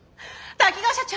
滝川社長！